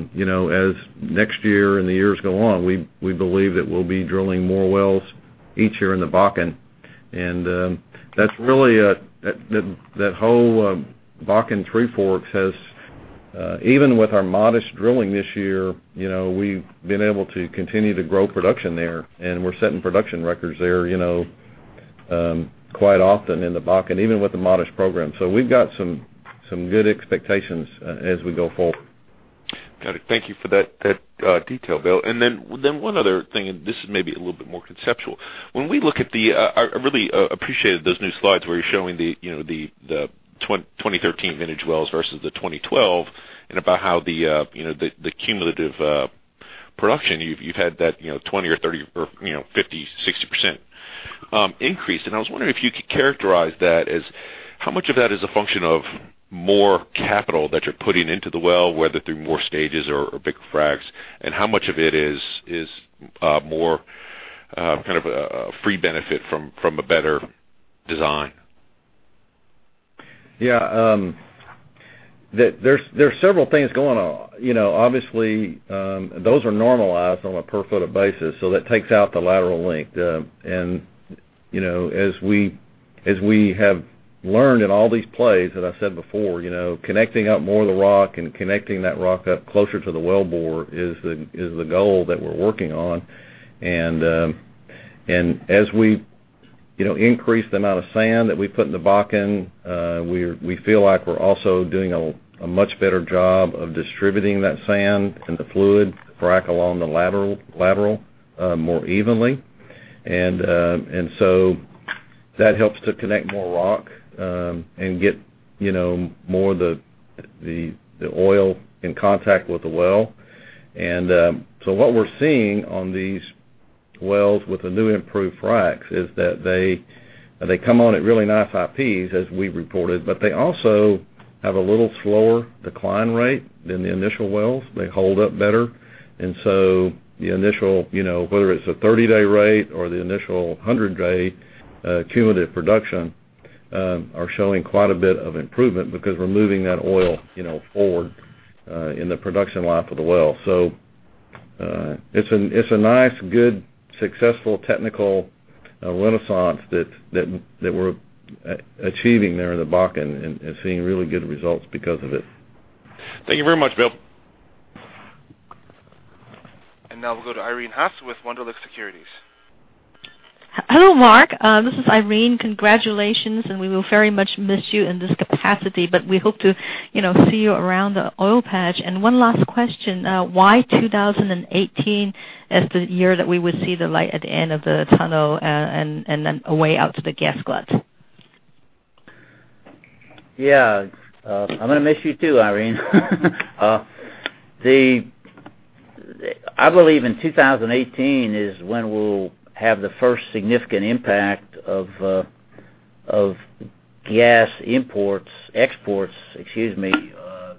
C: as next year and the years go on, we believe that we'll be drilling more wells each year in the Bakken. That whole Bakken Three Forks has, even with our modest drilling this year, we've been able to continue to grow production there, and we're setting production records there Quite often in the Bakken, even with the modest program. We've got some good expectations as we go forward.
I: Got it. Thank you for that detail, Bill. One other thing, this is maybe a little bit more conceptual. I really appreciated those new slides where you're showing the 2013 vintage wells versus the 2012, about how the cumulative production, you've had that 20% or 30% or 50%, 60% increase. I was wondering if you could characterize that as how much of that is a function of more capital that you're putting into the well, whether through more stages or bigger fracs, and how much of it is more kind of a free benefit from a better design?
C: Yeah. There's several things going on. Obviously, those are normalized on a per-foot basis, so that takes out the lateral length. As we have learned in all these plays, as I said before, connecting up more of the rock and connecting that rock up closer to the wellbore is the goal that we're working on. As we increase the amount of sand that we put in the Bakken, we feel like we're also doing a much better job of distributing that sand and the fluid frac along the lateral more evenly. That helps to connect more rock, and get more of the oil in contact with the well. What we're seeing on these wells with the new improved fracs is that they come on at really nice IPs, as we reported, but they also have a little slower decline rate than the initial wells. They hold up better. The initial, whether it's a 30-day rate or the initial 100-day cumulative production, are showing quite a bit of improvement because we're moving that oil forward in the production life of the well. It's a nice, good, successful technical renaissance that we're achieving there in the Bakken and seeing really good results because of it.
I: Thank you very much, Bill.
A: Now we'll go to Irene Haas with Wunderlich Securities.
J: Hello, Mark. This is Irene. Congratulations, we will very much miss you in this capacity. We hope to see you around the oil patch. One last question, why 2018 as the year that we would see the light at the end of the tunnel and then a way out to the gas glut?
B: Yeah. I'm going to miss you too, Irene. I believe in 2018 is when we'll have the first significant impact of gas imports, exports, excuse me,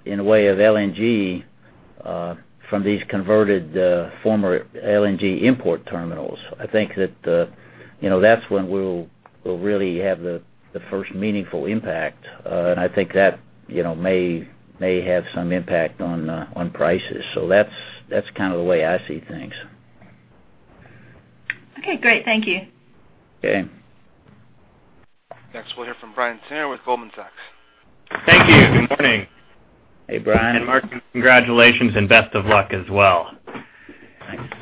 B: in the way of LNG from these converted former LNG import terminals. I think that's when we'll really have the first meaningful impact. I think that may have some impact on prices. That's kind of the way I see things.
J: Okay, great. Thank you.
B: Okay.
A: Next, we'll hear from Brian Singer with Goldman Sachs.
K: Thank you. Good morning.
B: Hey, Brian.
K: Mark, congratulations and best of luck as well.
B: Thanks.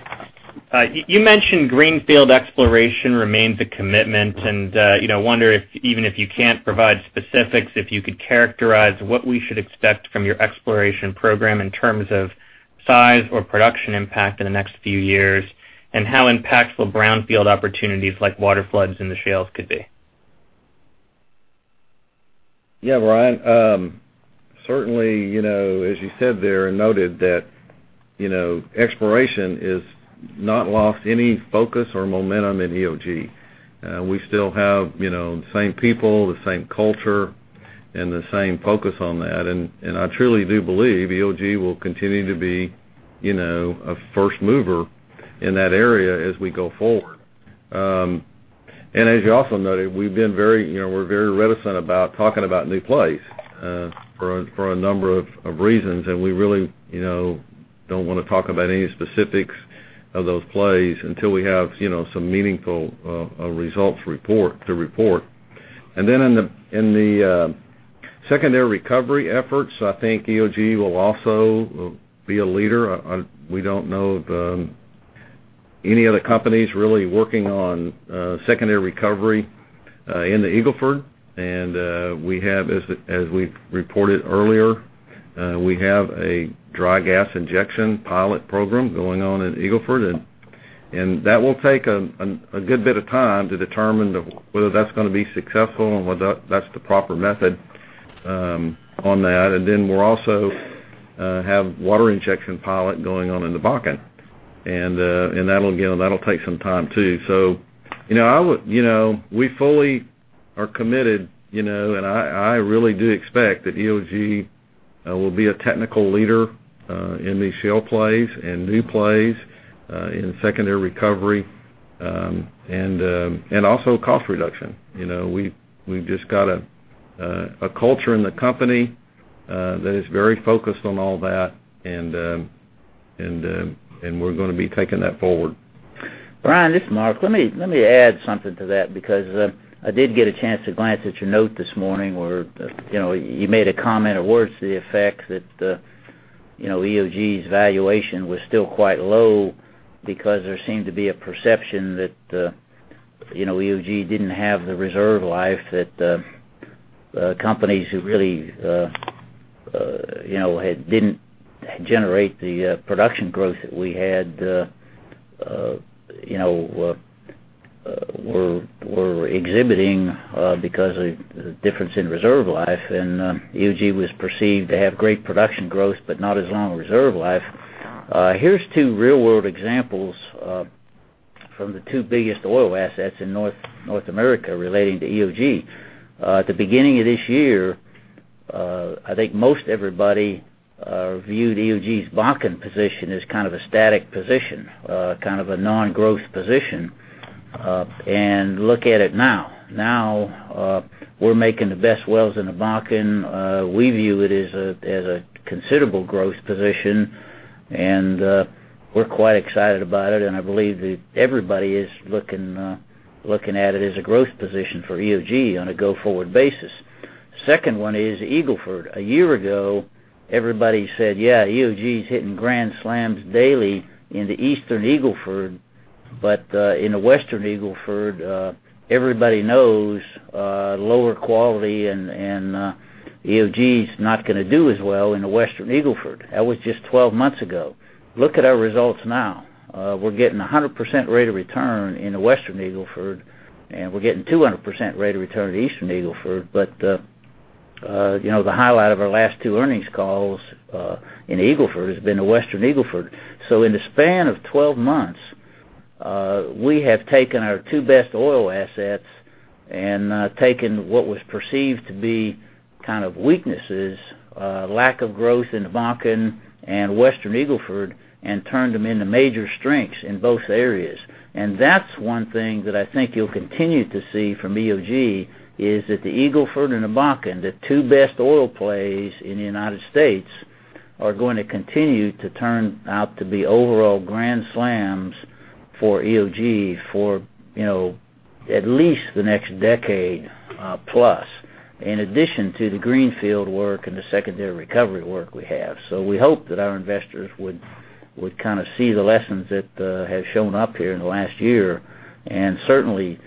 K: You mentioned greenfield exploration remains a commitment. I wonder if even if you can't provide specifics, if you could characterize what we should expect from your exploration program in terms of size or production impact in the next few years, and how impactful brownfield opportunities like water floods in the shales could be?
C: Yeah, Brian. Certainly, as you said there and noted that exploration is not lost any focus or momentum in EOG. We still have the same people, the same culture, and the same focus on that. I truly do believe EOG will continue to be a first mover in that area as we go forward. As you also noted, we're very reticent about talking about new plays for a number of reasons. We really don't want to talk about any specifics of those plays until we have some meaningful results to report. Then in the secondary recovery efforts, I think EOG will also be a leader. We don't know of any other companies really working on secondary recovery in the Eagle Ford. As we've reported earlier, we have a dry gas injection pilot program going on at Eagle Ford. That will take a good bit of time to determine whether that's going to be successful and whether that's the proper method on that. Then we'll also have water injection pilot going on in the Bakken. That'll take some time too. We fully are committed. I really do expect that EOG will be a technical leader in these shale plays and new plays, in secondary recovery, and also cost reduction. We've just got a culture in the company that is very focused on all that. We're going to be taking that forward.
B: Brian, this is Mark. Let me add something to that because I did get a chance to glance at your note this morning where you made a comment or words to the effect that EOG's valuation was still quite low because there seemed to be a perception that EOG didn't have the reserve life that companies who really didn't generate the production growth that we had were exhibiting because of the difference in reserve life. EOG was perceived to have great production growth, but not as long a reserve life. Here's two real-world examples from the two biggest oil assets in North America relating to EOG. At the beginning of this year, I think most everybody viewed EOG's Bakken position as kind of a static position, kind of a non-growth position. Look at it now. Now, we're making the best wells in the Bakken. We view it as a considerable growth position, and we're quite excited about it, and I believe that everybody is looking at it as a growth position for EOG on a go-forward basis. Second one is Eagle Ford. A year ago, everybody said, "Yeah, EOG's hitting grand slams daily in the Eastern Eagle Ford, but in the Western Eagle Ford, everybody knows lower quality and EOG's not going to do as well in the Western Eagle Ford." That was just 12 months ago. Look at our results now. We're getting 100% rate of return in the Western Eagle Ford, and we're getting 200% rate of return in Eastern Eagle Ford. The highlight of our last two earnings calls in Eagle Ford has been the Western Eagle Ford. In the span of 12 months, we have taken our two best oil assets and taken what was perceived to be kind of weaknesses, lack of growth in the Bakken and Western Eagle Ford, and turned them into major strengths in both areas. That's one thing that I think you'll continue to see from EOG, is that the Eagle Ford and the Bakken, the two best oil plays in the U.S., are going to continue to turn out to be overall grand slams for EOG for at least the next decade plus, in addition to the greenfield work and the secondary recovery work we have. We hope that our investors would see the lessons that have shown up here in the last year, and certainly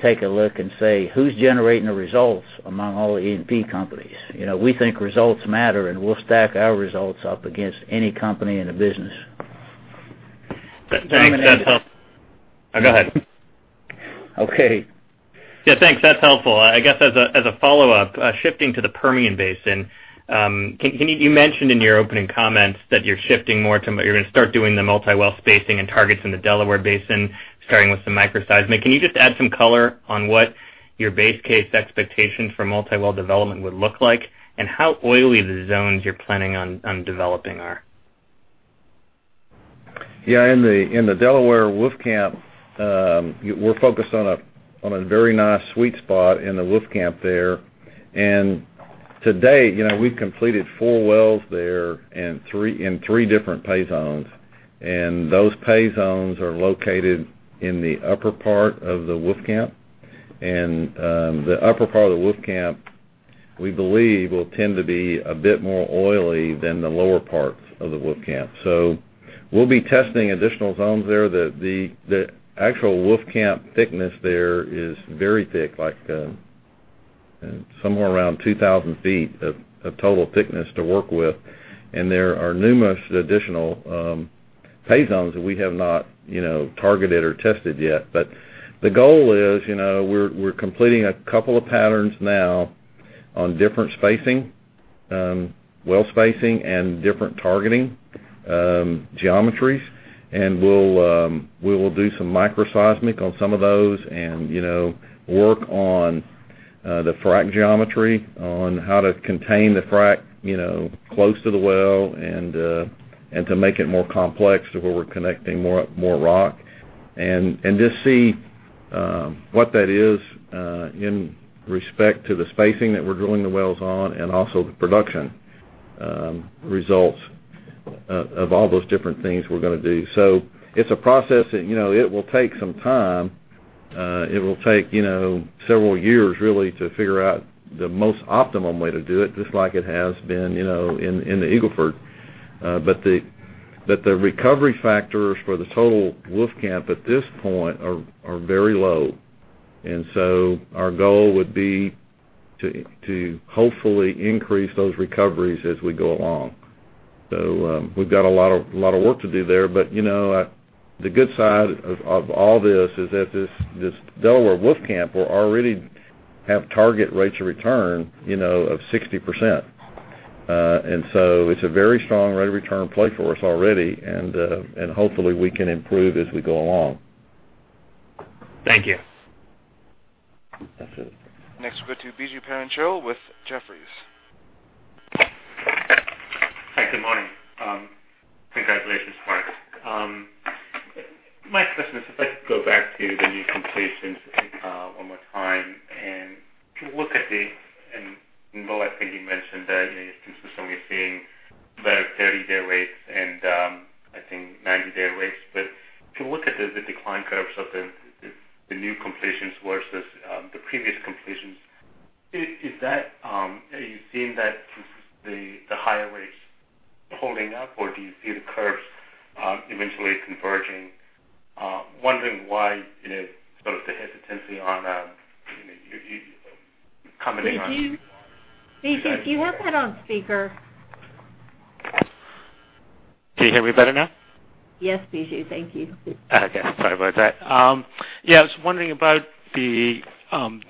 B: take a look and say, "Who's generating the results among all the E&P companies?" We think results matter, and we'll stack our results up against any company in the business.
K: Thanks. Oh, go ahead.
B: Okay.
K: Yeah, thanks. That's helpful. I guess, as a follow-up, shifting to the Permian Basin, you mentioned in your opening comments that you're going to start doing the multi-well spacing and targets in the Delaware Basin, starting with some microseismic. Can you just add some color on what your base case expectations for multi-well development would look like, and how oily the zones you're planning on developing are?
C: Yeah, in the Delaware Wolfcamp, we're focused on a very nice sweet spot in the Wolfcamp there. To date, we've completed 4 wells there in 3 different pay zones, and those pay zones are located in the upper part of the Wolfcamp. The upper part of the Wolfcamp, we believe, will tend to be a bit more oily than the lower parts of the Wolfcamp. We'll be testing additional zones there. The actual Wolfcamp thickness there is very thick, like somewhere around 2,000 feet of total thickness to work with. There are numerous additional pay zones that we have not targeted or tested yet. The goal is, we're completing a couple of patterns now on different well spacing and different targeting geometries, and we will do some microseismic on some of those and work on the frac geometry, on how to contain the frac close to the well and to make it more complex to where we're connecting more rock. Just see what that is in respect to the spacing that we're drilling the wells on and also the production results of all those different things we're going to do. It's a process that will take some time. It will take several years, really, to figure out the most optimum way to do it, just like it has been in the Eagle Ford. The recovery factors for the total Wolfcamp at this point are very low, our goal would be to hopefully increase those recoveries as we go along. We've got a lot of work to do there. The good side of all this is that this Delaware Wolfcamp will already have target rates of return of 60%. It's a very strong rate of return play for us already, and hopefully, we can improve as we go along.
K: Thank you.
C: That's it.
A: We'll go to Biju Perincheril with Jefferies.
L: Hi, good morning. Congratulations, Mark. My question is, if I could go back to the new completions one more time and look at the, Mark, I think you mentioned that you're consistently seeing better 30-day rates and, I think, 90-day rates. If you look at the decline curves of the new completions versus the previous completions. Are you seeing that the higher rates holding up or do you see the curves eventually converging? Wondering why the hesitancy on commenting on-
B: Biju, do you have that on speaker?
L: Can you hear me better now?
B: Yes, Biju. Thank you.
L: Okay. Sorry about that. Yeah, I was wondering about the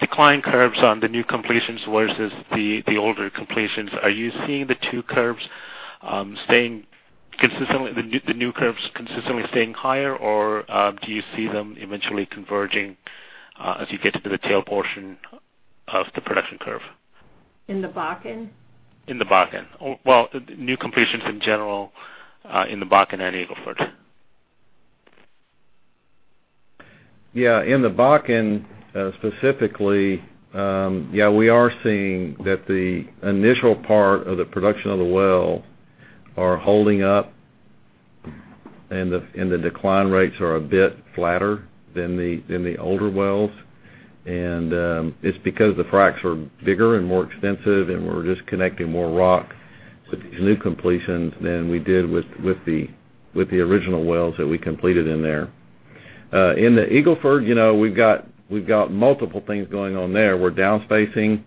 L: decline curves on the new completions versus the older completions. Are you seeing the two curves, the new curves consistently staying higher, or do you see them eventually converging as you get to the tail portion of the production curve?
B: In the Bakken?
L: In the Bakken. Well, new completions in general in the Bakken and Eagle Ford.
C: Yeah, in the Bakken specifically, yeah, we are seeing that the initial part of the production of the well are holding up, and the decline rates are a bit flatter than the older wells. It's because the fracs are bigger and more extensive, and we're just connecting more rock with these new completions than we did with the original wells that we completed in there. In the Eagle Ford, we've got multiple things going on there. We're down-spacing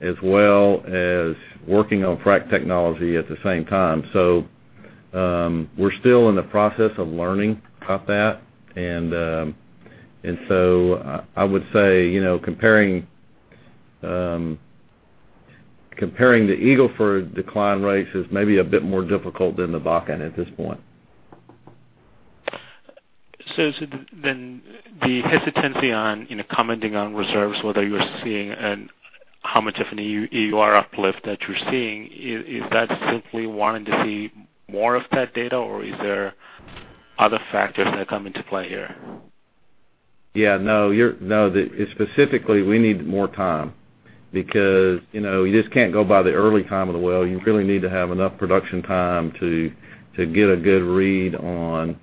C: as well as working on frac technology at the same time. We're still in the process of learning about that. I would say, comparing the Eagle Ford decline rates is maybe a bit more difficult than the Bakken at this point.
L: The hesitancy on commenting on reserves, whether you're seeing how much of an EUR uplift that you're seeing, is that simply wanting to see more of that data, or are there other factors that come into play here?
C: Yeah, no. Specifically, we need more time because you just can't go by the early time of the well. You really need to have enough production time to get a good read on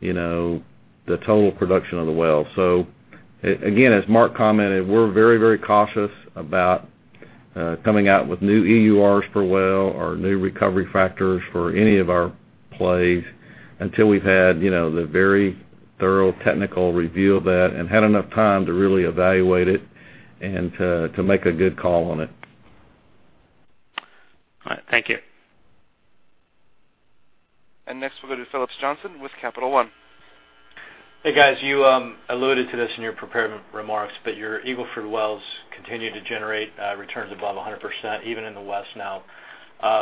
C: the total production of the well. Again, as Mark commented, we're very cautious about coming out with new EURs per well or new recovery factors for any of our plays until we've had the very thorough technical review of that and had enough time to really evaluate it and to make a good call on it.
L: All right. Thank you.
A: Next, we'll go to Phillips Johnston with Capital One.
M: Hey, guys. You alluded to this in your prepared remarks, your Eagle Ford wells continue to generate returns above 100%, even in the West now,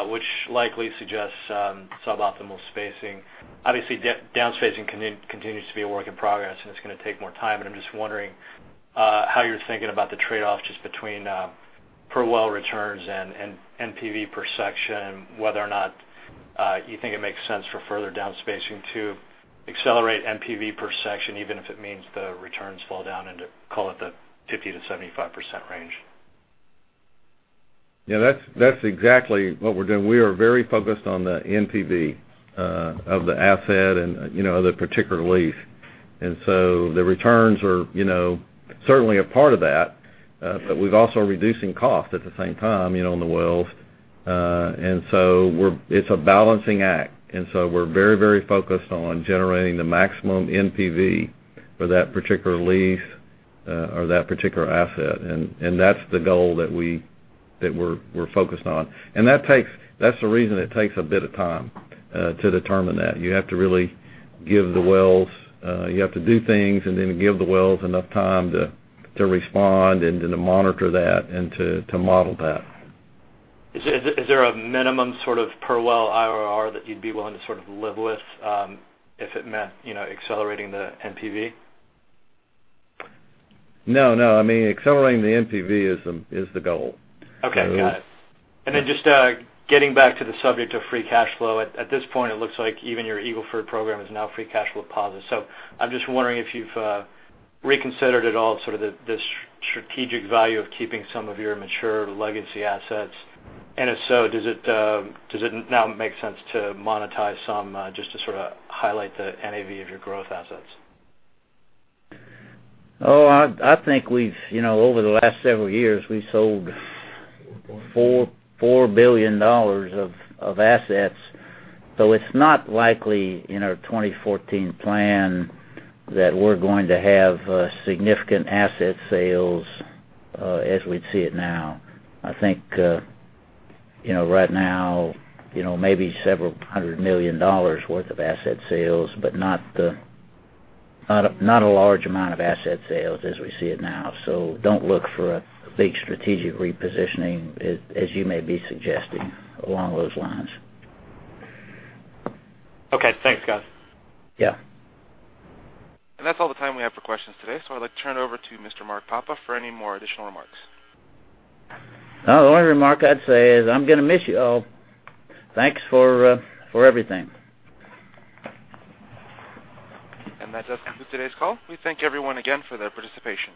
M: which likely suggests suboptimal spacing. Obviously, down-spacing continues to be a work in progress, and it's going to take more time. I'm just wondering how you're thinking about the trade-off just between per-well returns and NPV per section, whether or not you think it makes sense for further down-spacing to accelerate NPV per section, even if it means the returns fall down into, call it, the 50%-75% range.
C: Yeah, that's exactly what we're doing. We are very focused on the NPV of the asset and the particular lease. The returns are certainly a part of that. We're also reducing cost at the same time in the wells. It's a balancing act. We're very focused on generating the maximum NPV for that particular lease or that particular asset. That's the goal that we're focused on. That's the reason it takes a bit of time to determine that. You have to do things and then give the wells enough time to respond and then to monitor that and to model that.
M: Is there a minimum per-well IRR that you'd be willing to live with if it meant accelerating the NPV?
C: No. Accelerating the NPV is the goal.
M: Okay. Got it. Just getting back to the subject of free cash flow. At this point, it looks like even your Eagle Ford program is now free cash flow positive. I'm just wondering if you've reconsidered at all sort of the strategic value of keeping some of your mature legacy assets. If so, does it now make sense to monetize some just to sort of highlight the NAV of your growth assets?
B: I think over the last several years, we've sold $4 billion of assets. It's not likely in our 2014 plan that we're going to have significant asset sales as we'd see it now. I think right now, maybe several hundred million dollars worth of asset sales, not a large amount of asset sales as we see it now. Don't look for a big strategic repositioning as you may be suggesting along those lines.
M: Okay. Thanks, guys.
B: Yeah.
A: That's all the time we have for questions today. I'd like to turn it over to Mr. Mark Papa for any more additional remarks.
B: The only remark I'd say is I'm going to miss you all. Thanks for everything.
A: That does conclude today's call. We thank everyone again for their participation.